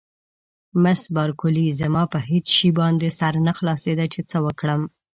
مس بارکلي: زما په هېڅ شي باندې سر نه خلاصېده چې څه وکړم.